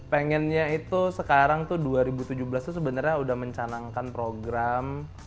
pengennya itu sekarang tuh dua ribu tujuh belas itu sebenarnya udah mencanangkan program